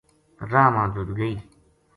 راہ ما ددگئی